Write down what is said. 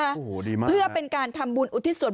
โอ้โฮดีมากนะครับเพื่อเป็นการทำบุญอุทิศสวรรค์